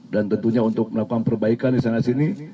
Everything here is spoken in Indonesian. dan tentunya untuk melakukan perbaikan disana sini